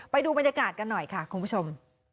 ไปดูบรรยากาศกันหน่อยค่ะคุณผู้ชม